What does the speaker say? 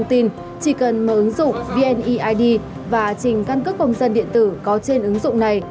tin chỉ cần mở ứng dụng vneid và trình căn cước công dân điện tử có trên ứng dụng này